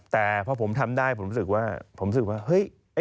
แต่พอผมทำได้ผมรู้สึกว่า